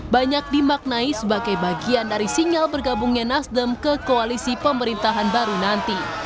banyak dimaknai sebagai bagian dari sinyal bergabungnya nasdem ke koalisi pemerintahan baru nanti